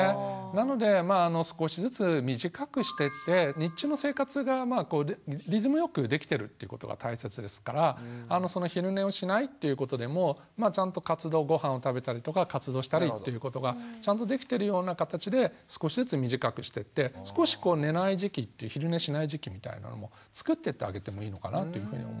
なので少しずつ短くしてって日中の生活がリズムよくできてるということが大切ですから昼寝をしないということでもちゃんと活動ごはんを食べたりとか活動したりということがちゃんとできてるような形で少しずつ短くしてって少し寝ない時期昼寝しない時期みたいなのもつくってってあげてもいいのかなというふうに思います。